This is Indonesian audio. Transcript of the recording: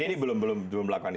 ini belum melakukannya